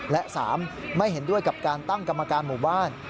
และ๓ไม่เห็นด้วยกับการตั้งกรรมการหมู่บ้าน